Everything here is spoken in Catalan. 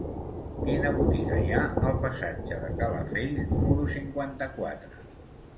Quina botiga hi ha al passatge de Calafell número cinquanta-quatre?